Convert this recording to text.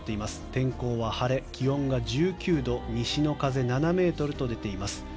天候は晴れ、気温は１９度西の風７メートルと出ています。